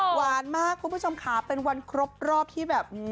หวานมากคุณผู้ชมค่ะเป็นวันครบรอบที่แบบ